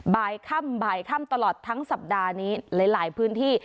บ่ายค่ำบ่ายค่ำตลอดทั้งสัปดาห์นี้หลายพื้นที่